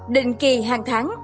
định kỳ hàng tháng